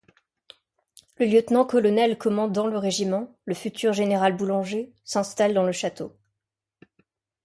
Le lieutenant-colonel commandant le régiment, le futur général Boulanger, s’installe dans le château.